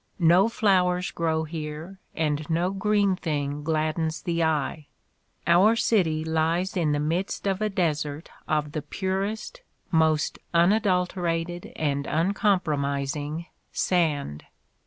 No flowers grow here, and no green thing gladdens the eye. ... Our city lies in the midst of a desert of the purest — most un adulterated and uncompromising — sand."